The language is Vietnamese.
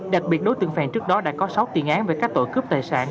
đặc biệt đối tượng phèn trước đó đã có sáu tiền án về các tội cướp tài sản